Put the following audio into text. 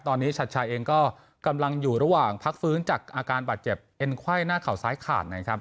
ตอนนี้ชัดชายเองก็กำลังอยู่ระหว่างพักฟื้นจากอาการบาดเจ็บเอ็นไขว้หน้าเข่าซ้ายขาดนะครับ